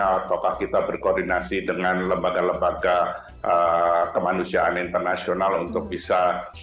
ataukah kita berkoordinasi dengan lembaga lembaga kemanusiaan internasional untuk bisa